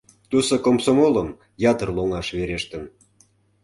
Тусо комсомолым ятыр лоҥаш верештын.